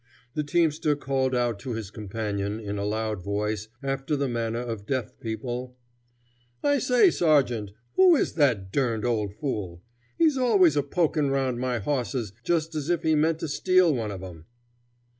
The teamster called out to his companion, in a loud voice, after the manner of deaf people: "I say, sergeant, who is that durned old fool? He's always a pokin' round my hosses just as if he meant to steal one of 'em."